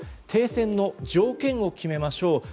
停戦の条件を決めましょう。